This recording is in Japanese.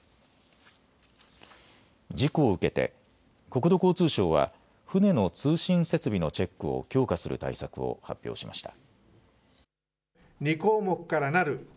事故を受けて国土交通省は船の通信設備のチェックを強化する対策を発表しました。